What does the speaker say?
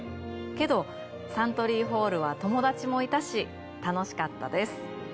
けどサントリーホールは友達もいたし楽しかったです。